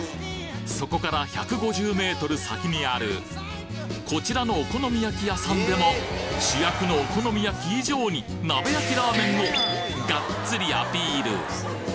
そこから１５０ｍ先にあるこちらのお好み焼き屋さんでも主役のお好み焼き以上に「鍋焼きラーメン」をがっつりアピール！